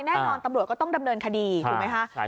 แน่นอนตำรวจก็ต้องดำเนินคดีถูกไหมคะ